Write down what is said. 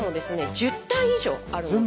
１０体以上あるので。